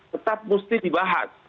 tetap mesti dibahas